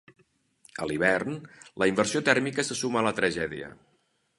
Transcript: A l'hivern, la inversió tèrmica se suma a la tragèdia.